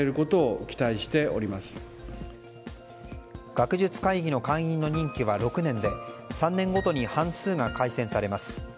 学術会議の会員の任期は６年で３年半ごとに半数が改選されます。